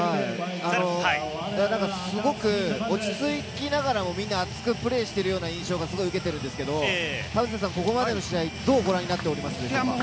すごく落ち着きながらも、みんな熱くプレーしているような印象がすごい受けてるんですけれども、ここまでの試合、どうご覧になっておりますか？